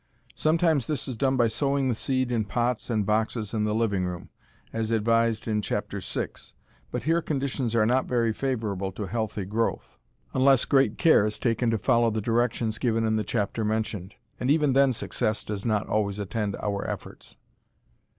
Sometimes this is done by sowing the seed in pots and boxes in the living room, as advised in Chapter VI, but here conditions are not very favorable to healthy growth, unless great care is taken to follow the directions given in the chapter mentioned, and even then success does not always attend our efforts.